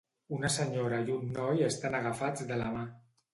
Una senyora i un noi estan agafats de la mà.